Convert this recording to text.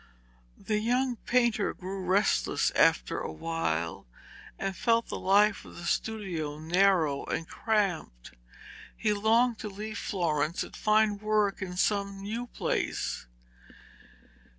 The young painter grew restless after a while, and felt the life of the studio narrow and cramped. He longed to leave Florence and find work in some new place.